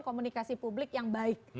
komunikasi publik yang baik